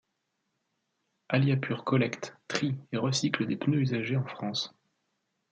Aliapur collecte, trie et recycle des pneus usagés en France.